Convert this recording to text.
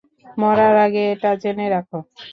মরার আগে এটা জেনে রাখ।